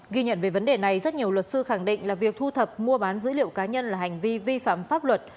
ghi nhận về vấn đề này rất nhiều luật sư khẳng định là việc thu thập mua bán dữ liệu cá nhân là hành vi vi phạm pháp luật